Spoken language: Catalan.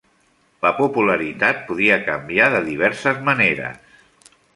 La Popularitat podia canviar de diverses maneres.